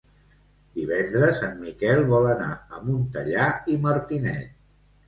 Divendres en Miquel vol anar a Montellà i Martinet.